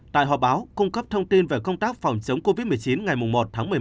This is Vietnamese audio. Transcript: tại họp báo cung cấp thông tin về công tác phòng chống covid một mươi chín ngày một tháng một mươi một